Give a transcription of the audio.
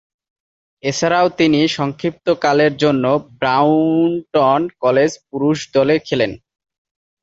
এছাড়াও তিনি সংক্ষিপ্তকালের জন্য ব্রাইটন কলেজ পুরুষ দলে খেলেন।